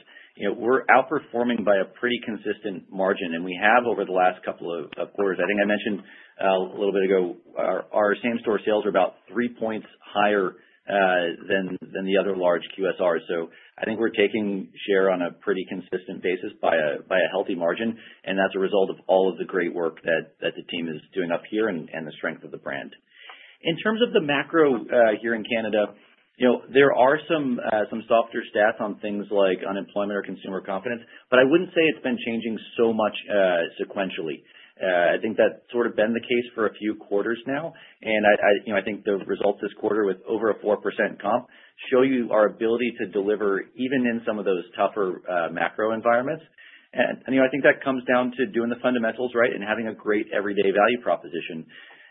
We're outperforming by a pretty consistent margin and we have over the last couple of quarters. I think I mentioned a little bit ago, our same-store sales are about 3 points higher than the other large QSRs so I think we're taking share on a pretty consistent basis by a healthy margin and that's a result of all of the great work that the team is doing up here and the strength of the brand. In terms of the macro here in Canada, there are some softer stats on things like unemployment or consumer confidence but I wouldn't say it's been changing so much sequentially. I think that's sort of been the case for a few quarters now and I think the results this quarter with over a 4% comp show you our ability to deliver even in some of those tougher macro environments and I think that comes down to doing the fundamentals right and having a great everyday value proposition.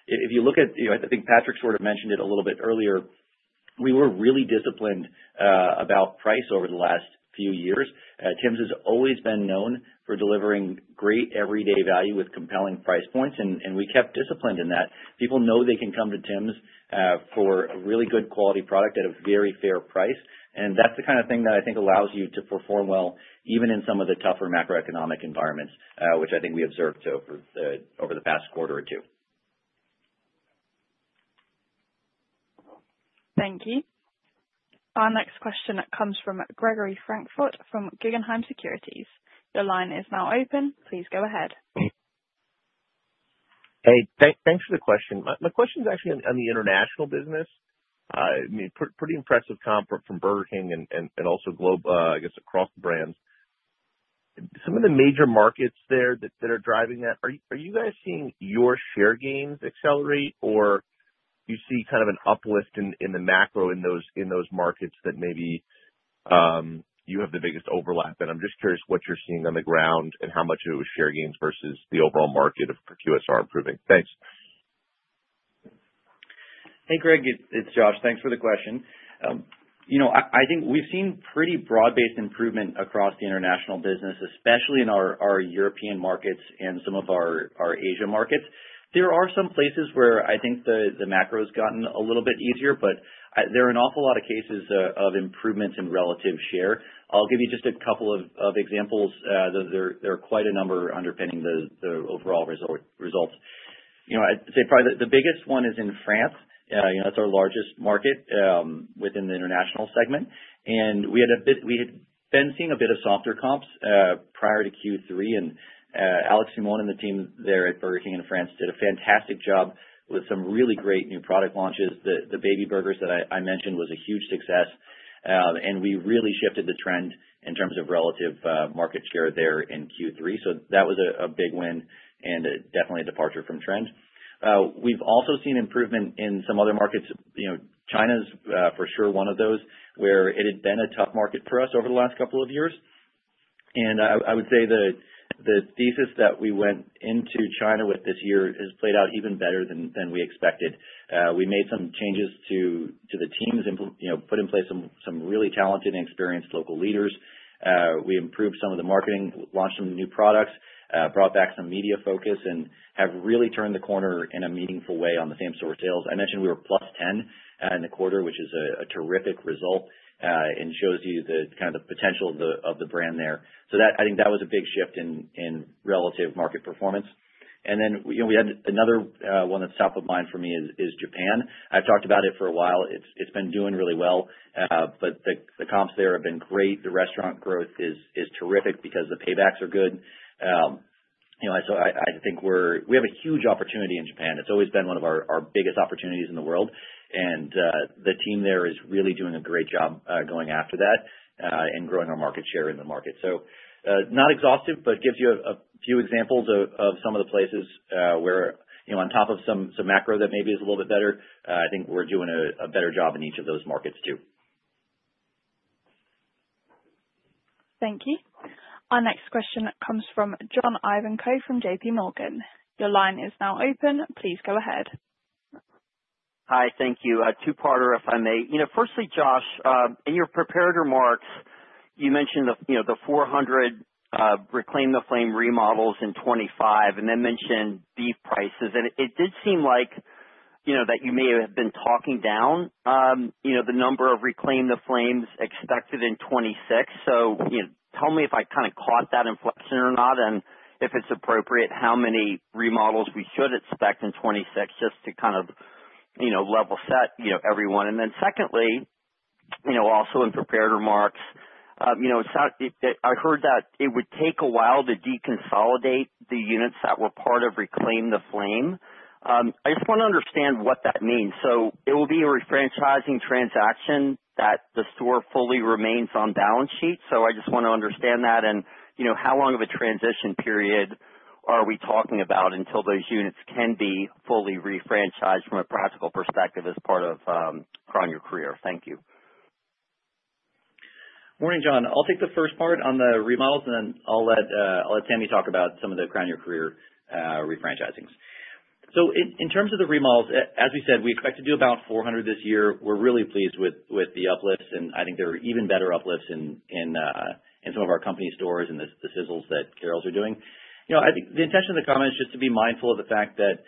If you look at, I think Patrick sort of mentioned it a little bit earlier, we were really disciplined about price over the last few years. Tims has always been known for delivering great everyday value with compelling price points and we kept disciplined in that. People know they can come to Tims for a really good quality product at a very fair price and that's the kind of thing that I think allows you to perform well, even in some of the tougher macroeconomic environments which I think we observed over the past quarter or 2. Thank you. Our next question comes from Gregory Francfort from Guggenheim Securities. Your line is now open, please go ahead. Hey, thanks for the question. My question is actually on the international business. Pretty impressive comp from Burger King and also, I guess, across the brands. Some of the major markets there that are driving that, are you guys seeing your share gains accelerate or do you see kind of an uplift in the macro in those markets that maybe you have the biggest overlap? And I'm just curious what you're seeing on the ground and how much of it was share gains versus the overall market for QSR improving. Thanks. Hey, Greg. It's Josh. Thanks for the question. I think we've seen pretty broad-based improvement across the international business especially in our European markets and some of our Asia markets. There are some places where I think the macro has gotten a little bit easier but there are an awful lot of cases of improvements in relative share. I'll give you just a couple of examples there are quite a number underpinning the overall results. I'd say probably the biggest one is in France. That's our largest market within the international segment and we had been seeing a bit of softer comps prior to Q3 and Alex Simon and the team there at Burger King in France did a fantastic job with some really great new product launches. The baby burgers that I mentioned was a huge success and we really shifted the trend in terms of relative market share there in Q3 so that was a big win and definitely a departure from trend. We've also seen improvement in some other markets. China is for sure one of those where it had been a tough market for us over the last couple of years and I would say the thesis that we went into China with this year has played out even better than we expected. We made some changes to the teams, put in place some really talented and experienced local leaders. We improved some of the marketing, launched some new products, brought back some media focus, and have really turned the corner in a meaningful way on the same-store sales. I mentioned we were plus 10 in the quarter which is a terrific result and shows you kind of the potential of the brand there so I think that was a big shift in relative market performance and then we had another one that's top of mind for me is Japan. I've talked about it for a while. It's been doing really well but the comps there have been great. The restaurant growth is terrific because the paybacks are good. So I think we have a huge opportunity in Japan. It's always been one of our biggest opportunities in the world and the team there is really doing a great job going after that and growing our market share in the market so not exhaustive but it gives you a few examples of some of the places where, on top of some macro that maybe is a little bit better, I think we're doing a better job in each of those markets too. Thank you. Our next question comes from John Ivanko from JPMorgan. Your line is now open, please go ahead. Hi. Thank you. A 2-parter, if I may. Firstly, Josh, in your prepared remarks, you mentioned the 400 Reclaim the Flame remodels in 25 and then mentioned beef prices and it did seem like that you may have been talking down the number of Reclaim the Flame remodels expected in 26 so tell me if I kind of caught that inflection or not and if it's appropriate, how many remodels we should expect in 26 just to kind of level set everyone and then secondly, also in prepared remarks, I heard that it would take a while to deconsolidate the units that were part of Reclaim the Flame. I just want to understand what that means so it will be a refranchising transaction that the store fully remains on balance sheet so I just want to understand that and how long of a transition period are we talking about until those units can be fully refranchised from a practical perspective as part of Crown Your Career? Thank you. Morning, John. I'll take the first part on the remodels and then I'll let Sami talk about some of the Crown Your Career refranchisings. In terms of the remodels, as we said, we expect to do about 400 this year. We're really pleased with the uplifts and I think there are even better uplifts in some of our company stores and the Sizzles that Carrols are doing. I think the intention of the comment is just to be mindful of the fact that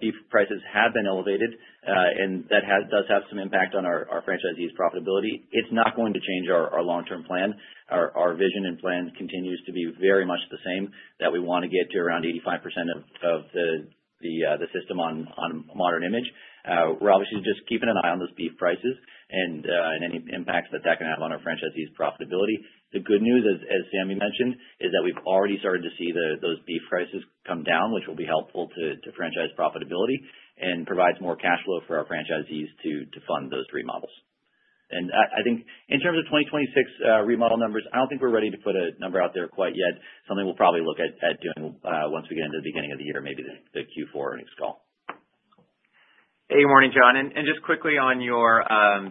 beef prices have been elevated and that does have some impact on our franchisee's profitability. It's not going to change our long-term plan. Our vision and plan continues to be very much the same that we want to get to around 85% of the system on modern image. We're obviously just keeping an eye on those beef prices and any impacts that that can have on our franchisee's profitability. The good news, as Sami mentioned, is that we've already started to see those beef prices come down which will be helpful to franchise profitability and provides more cash flow for our franchisees to fund those remodels and I think in terms of 2026 remodel numbers, I don't think we're ready to put a number out there quite yet. Something we'll probably look at doing once we get into the beginning of the year maybe the Q4 or next call. Hey, morning, John, and just quickly on your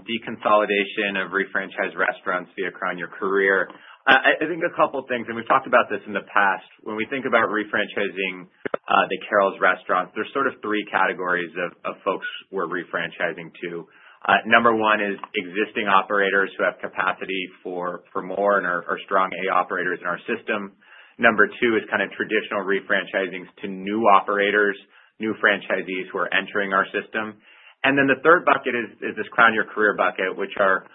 deconsolidation of refranchised restaurants via Crown Your Career, I think a couple of things and we've talked about this in the past. When we think about refranchising the Carrols restaurants, there's sort of 3 categories of folks we're refranchising to. Number one is existing operators who have capacity for more and are strong A operators in our system. Number two is kind of traditional refranchisings to new operators, new franchisees who are entering our system. And then the third bucket is this Crown Your Career bucke which are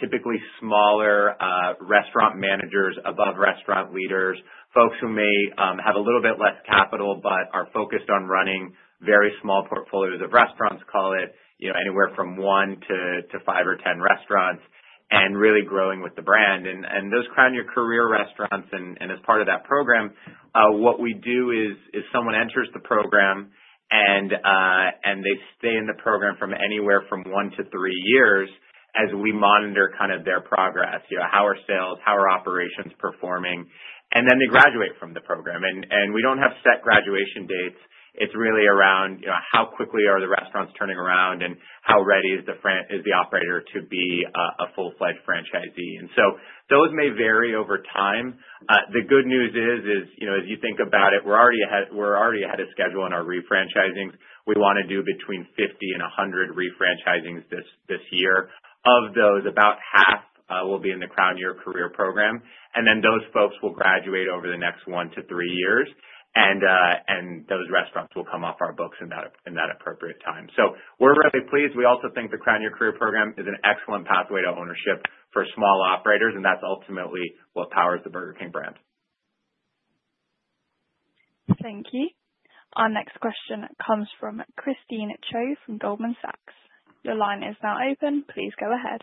typically smaller restaurant managers, above restaurant leaders, folks who may have a little bit less capital but are focused on running very small portfolios of restaurants call it anywhere from 1 to 5 or 10 restaurant and really growing with the brand and those Crown Your Career restaurants. And as part of that program, what we do is someone enters the program and they stay in the program from anywhere from 1 to 3 years as we monitor kind of their progress, how are sales, how are operations performing, and then they graduate from the program and we don't have set graduation dates. It's really around how quickly are the restaurants turning around, and how ready is the operator to be a full-fledged franchisee? And so those may vary over time. The good news is, as you think about it, we're already ahead of schedule in our refranchisings. We want to do between 50 and 100 refranchisings this year. Of those, about half will be in the Crown Your Career program and then those folks will graduate over the next 1 to 3 years and those restaurants will come off our books in that appropriate time. So we're really pleased. We also think the Crown Your Career program is an excellent pathway to ownership for small operators and that's ultimately what powers the Burger King brand. Thank you. Our next question comes from Christine Cho from Goldman Sachs. Your line is now open, please go ahead.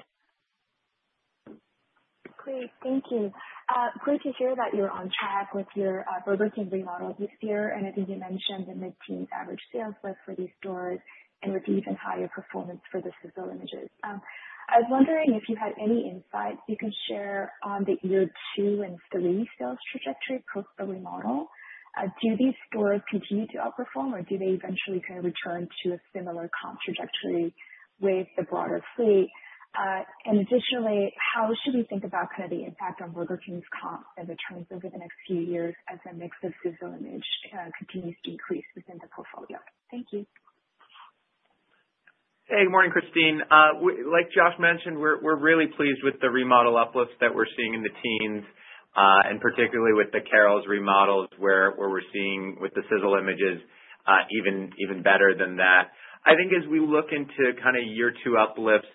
Great. Thank you. Great to hear that you're on track with your Burger King remodels this year and I think you mentioned the mid-teens average sales growth for these stores and with the even higher performance for the Sizzle images. I was wondering if you had any insights you can share on the year 2 and 3 sales trajectory post the remodel. Do these stores continue to outperform or do they eventually kind of return to a similar comp trajectory with the broader fleet? And additionally, how should we think about kind of the impact on Burger King's comp and the trends over the next few years as a mix of Sizzle image continues to increase within the portfolio? Thank you. Hey, good morning, Christine. Like Josh mentioned, we're really pleased with the remodel uplifts that we're seeing in the teens and particularly with the Carol's remodels where we're seeing with the Sizzle images even better than that. I think as we look into kind of year 2 uplifts,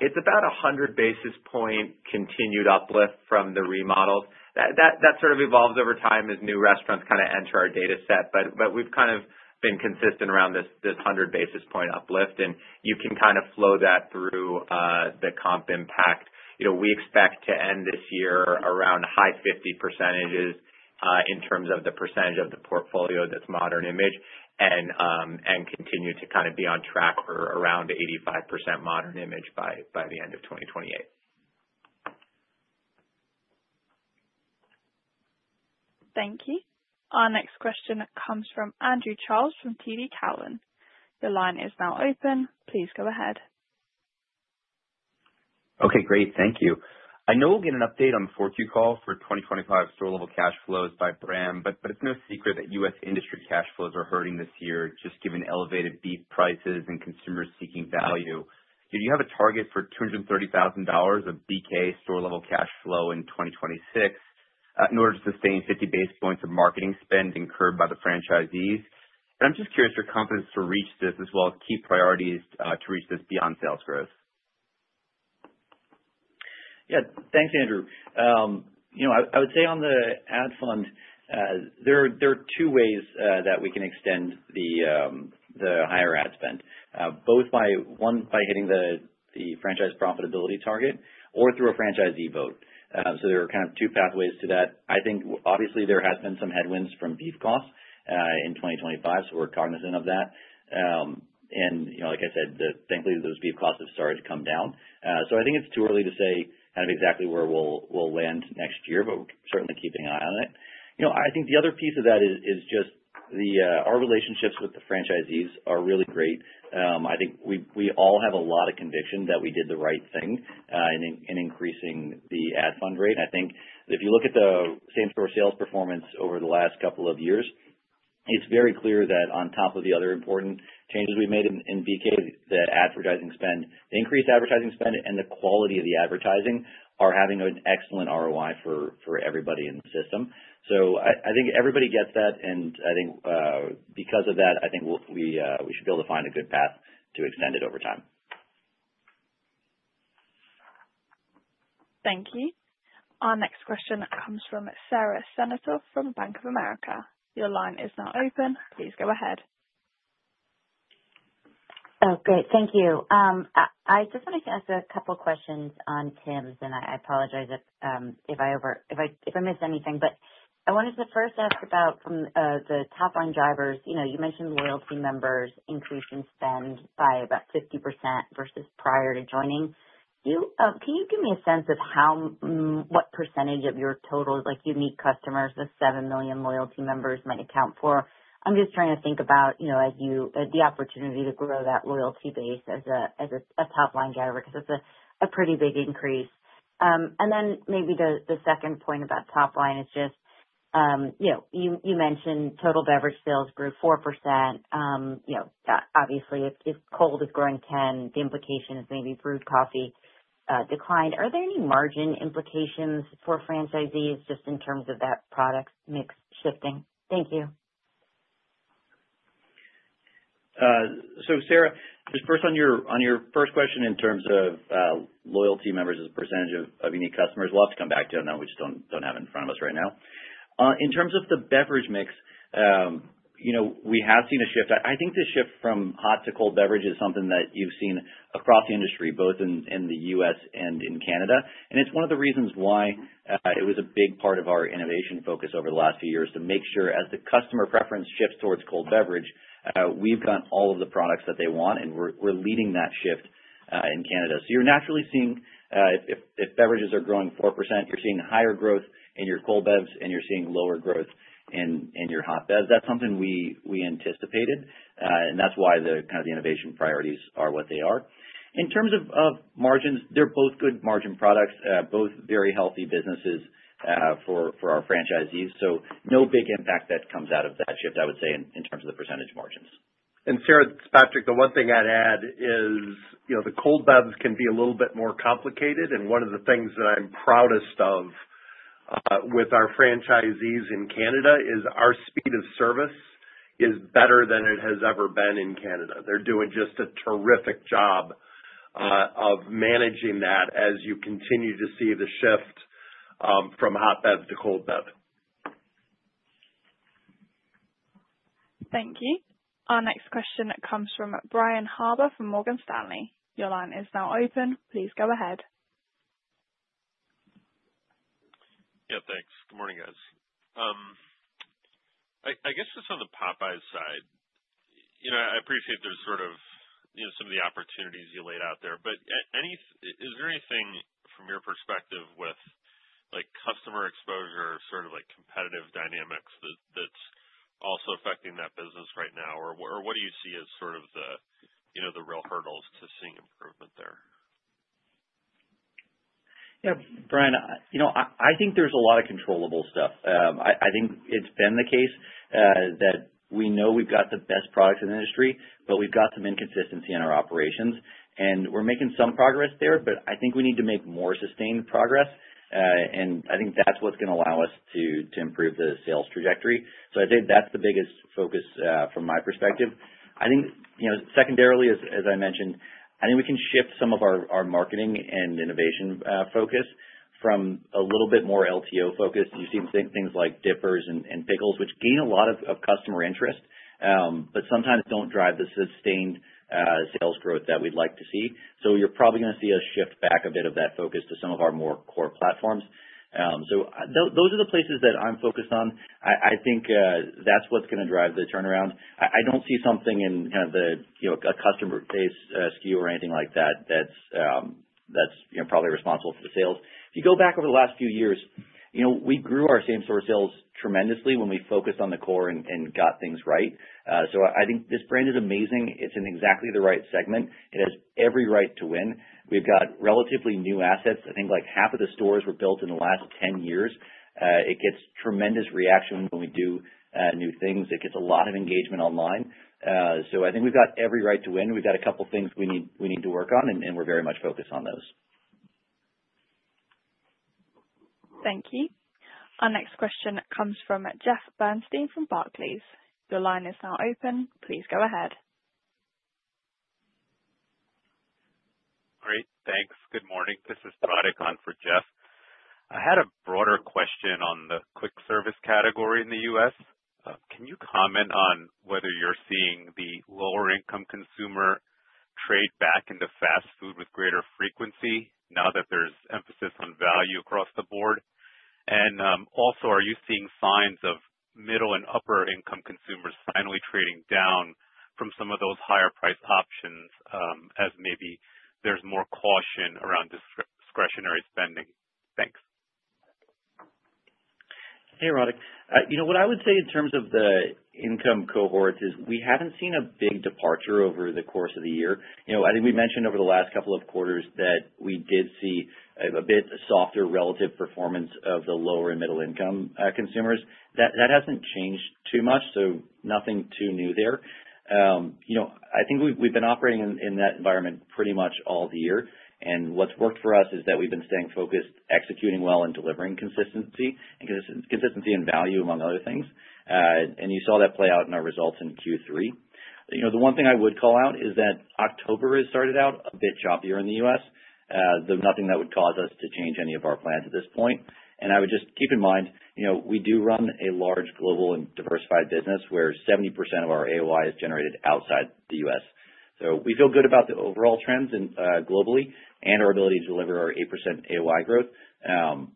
it's about a 100 basis point continued uplift from the remodels. That sort of evolves over time as new restaurants kind of enter our data set but we've kind of been consistent around this 100 basis point uplift and you can kind of flow that through the comp impact. We expect to end this year around high 50 percentages in terms of the percentage of the portfolio that's modern image and continue to kind of be on track for around 85% modern image by the end of 2028. Thank you. Our next question comes from Andrew Charles from TD Cowen. Your line is now open, please go ahead. Okay. Great. Thank you. I know we'll get an update on the forecast call for 2025 store-level cash flows by brand but it's no secret that U.S. industry cash flows are hurting this year just given elevated beef prices and consumers seeking value. Do you have a target for $230,000 of BK store-level cash flow in 2026 in order to sustain 50 basis points of marketing spend incurred by the franchisees? And I'm just curious your confidence to reach this as well as key priorities to reach this beyond sales growth. Yeah. Thanks, Andrew. I would say on the ad fund, there are 2 ways that we can extend the higher ad spend, both by hitting the franchise profitability target or through a franchisee vote. so there are kind of 2 pathways to that. I think, obviously, there has been some headwinds from beef costs in 2025 so we're cognizant of that, and like I said, thankfully, those beef costs have started to come down so I think it's too early to say kind of exactly where we'll land next year, but we're certainly keeping an eye on it. I think the other piece of that is just our relationships with the franchisees are really great. I think we all have a lot of conviction that we did the right thing in increasing the Ad Fund rate. I think if you look at the same-store sales performance over the last couple of years, it's very clear that on top of the other important changes we've made in BK, the increased advertising spend and the quality of the advertising are having an excellent ROI for everybody in the system so I think everybody gets that and I think because of that, I think we should be able to find a good path to extend it over time. Thank you. Our next question comes from Sara Senatore from Bank of America. Your line is now open, please go ahead. Oh, great. Thank you. I just wanted to ask a couple of questions on Tims and I apologize if I missed anything but I wanted to first ask about from the top-line drivers. You mentioned loyalty members increasing spend by about 50% versus prior to joining. Can you give me a sense of what percentage of your total unique customers, the seven million loyalty members, might account for? I'm just trying to think about the opportunity to grow that loyalty base as a top-line driver because it's a pretty big increase. Then maybe the second point about top-line is just you mentioned total beverage sales grew 4%. Obviously, if cold is growing 10%, the implication is maybe brewed coffee declined. Are there any margin implications for franchisees just in terms of that product mix shifting? Thank you. So, Sarah, just first on your first question in terms of loyalty members as a percentage of unique customers, we'll have to come back to you. I know we just don't have it in front of us right now. In terms of the beverage mix, we have seen a shift. I think the shift from hot to cold beverage is something that you've seen across the industry both in the U.S. and in Canada. It's one of the reasons why it was a big part of our innovation focus over the last few years to make sure as the customer preference shifts towards cold beverage, we've got all of the products that they want and we're leading that shift in Canada. So you're naturally seeing if beverages are growing 4% you're seeing higher growth in your cold bevs and you're seeing lower growth in your hot bevs. That's something we anticipated, and that's why kind of the innovation priorities are what they are. In terms of margins, they're both good margin products both very healthy businesses for our franchisees so no big impact that comes out of that shift, I would say, in terms of the percentage margins. Sarah, this is Patrick. The one thing I'd add is the cold bevs can be a little bit more complicated and one of the things that I'm proudest of with our franchisees in Canada is our speed of service is better than it has ever been in Canada. They're doing just a terrific job of managing that as you continue to see the shift from hot bev to cold bev. Thank you. Our next question comes from Brian Harbour from Morgan Stanley. Your line is now open, please go ahead. Yeah. Thanks. Good morning, guys. I guess just on the Popeyes side, I appreciate there's sort of some of the opportunities you laid out there but is there anything from your perspective with customer exposure sort of competitive dynamics that's also affecting that business right now? Or what do you see as sort of the real hurdles to seeing improvement there? Yeah. Brian, I think there's a lot of controllable stuff. I think it's been the case that we know we've got the best products in the industry but we've got some inconsistency in our operations and we're making some progress there, but I think we need to make more sustained progress and I think that's what's going to allow us to improve the sales trajectory so I'd say that's the biggest focus from my perspective. I think secondarily, as I mentioned, I think we can shift some of our marketing and innovation focus from a little bit more LTO focus. You see things like dippers and pickles which gain a lot of customer interest but sometimes don't drive the sustained sales growth that we'd like to see so you're probably going to see us shift back a bit of that focus to some of our more core platforms so those are the places that I'm focused on. I think that's what's going to drive the turnaround. I don't see something in kind of a customer base SKU or anything like that that's probably responsible for the sales. If you go back over the last few years, we grew our same-store sales tremendously when we focused on the core and got things right. So I think this brand is amazing. It's in exactly the right segment. It has every right to win. We've got relatively new assets. I think half of the stores were built in the last 10 years. It gets tremendous reaction when we do new things. It gets a lot of engagement online. So I think we've got every right to win. We've got a couple of things we need to work on and we're very much focused on those. Thank you. Our next question comes from Jeff Bernstein from Barclays. Your line is now open, please go ahead. Great. Thanks. Good morning. This is Roderick on for Jeff. I had a broader question on the quick service category in the U.S. Can you comment on whether you're seeing the lower-income consumer trade back into fast food with greater frequency now that there's emphasis on value across the board? And also, are you seeing signs of middle and upper-income consumers finally trading down from some of those higher-priced options as maybe there's more caution around discretionary spending? Thanks. Hey, Roderick. What I would say in terms of the income cohorts is we haven't seen a big departure over the course of the year. I think we mentioned over the last couple of quarters that we did see a bit softer relative performance of the lower and middle-income consumers. That hasn't changed too much so nothing too new there. I think we've been operating in that environment pretty much all year and what's worked for us is that we've been staying focused, executing well, and delivering consistency and value among other things and you saw that play out in our results in Q3. The one thing I would call out is that October has started out a bit choppier in the U.S. Though nothing that would cause us to change any of our plans at this point and I would just keep in mind we do run a large global and diversified business where 70% of our AOI is generated outside the U.S., so we feel good about the overall trends globally and our ability to deliver our 8% AOI growth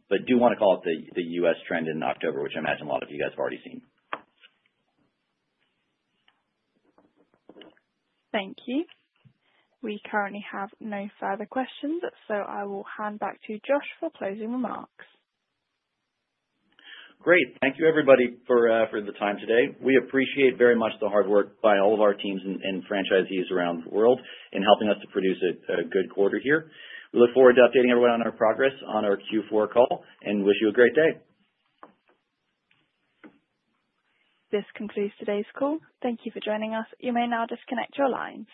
but do want to call out the U.S. trend in October which I imagine a lot of you guys have already seen. Thank you. We currently have no further questions, so I will hand back to Josh for closing remarks. Great. Thank you, everybody, for the time today. We appreciate very much the hard work by all of our teams and franchisees around the world in helping us to produce a good quarter here. We look forward to updating everyone on our progress on our Q4 call and wish you a great day. This concludes today's call. Thank you for joining us. You may now disconnect your lines.